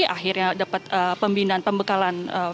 akhirnya dapat pembinan pembekalan